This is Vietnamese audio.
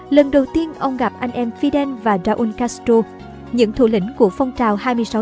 lần đầu tiên ông gặp anh em fidel và raúl castro những thủ lĩnh của phong trào hai mươi sáu tháng bảy tại cuba